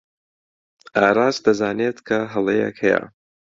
ئاراس دەزانێت کە هەڵەیەک هەیە.